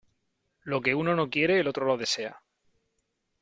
Lo que uno no quiere el otro lo desea.